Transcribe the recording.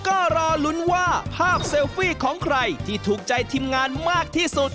ก็รอลุ้นว่าภาพเซลฟี่ของใครที่ถูกใจทีมงานมากที่สุด